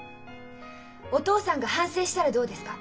お父さんが反省したらどうですか？